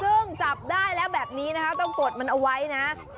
ซึ่งจับได้แล้วแบบนี้นะคะต้องกดมันเอาไว้นะ